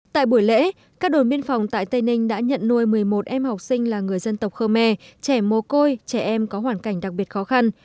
tại buổi lễ các đồn biên phòng tại tây ninh đã nhận nuôi một mươi một em học sinh là người dân tộc khơ mè trẻ mô côi trẻ em có hoàn cảnh đặc biệt khó khăn